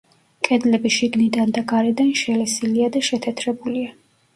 კედლები შიგნიდან და გარედან შელესილია და შეთეთრებულია.